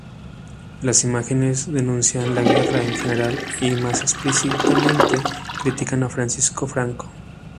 Las imágenes denuncian la guerra en general y más explícitamente critican a Francisco Franco.